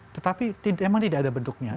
tetapi memang tidak ada bentuknya